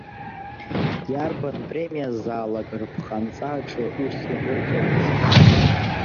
Иарбан премиазаалак рыԥҟанҵа аҿы ус ианырҵомызт.